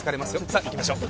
さあ行きましょう。